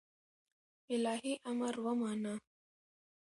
الهي امر ومانه